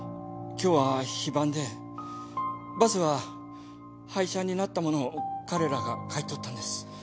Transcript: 今日は非番でバスは廃車になったものを彼らが買い取ったんです。